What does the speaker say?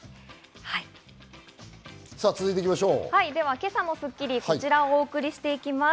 今朝の『スッキリ』、こちらをお送りします。